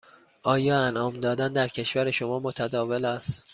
آیا انعام دادن در کشور شما متداول است؟